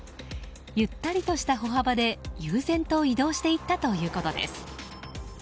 ゆったりとした歩幅で、悠然と移動していったということです。